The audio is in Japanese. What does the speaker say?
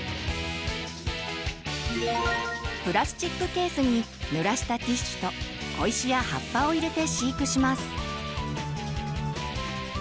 プラスチックケースにぬらしたティッシュと小石や葉っぱを入れて飼育します。